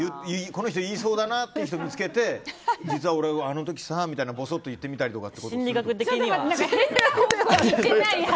この人言いそうだなっていう人を見つけて実は俺、あの時さみたいなことぼそっと言ったりとか？